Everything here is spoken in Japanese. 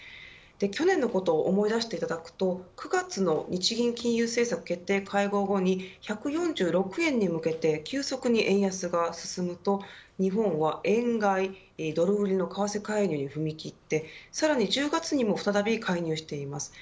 去年の事を思い出していただくと９月の日銀金融政策決定会合後に１４６円に向けて急速に円安が進むと日本は円買いドル売りの為替介入に踏み切ってさらに１０月にも再び介入しています。